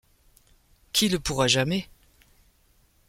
Qui le pourra jamais ?